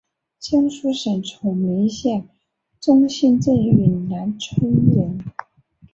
江苏省崇明县中兴镇永南村人。